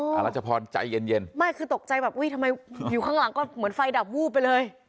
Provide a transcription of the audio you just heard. รัชพรใจเย็นเย็นไม่คือตกใจแบบอุ้ยทำไมอยู่ข้างหลังก็เหมือนไฟดับวูบไปเลย